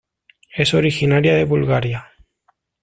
Es originaria de Bulgaria.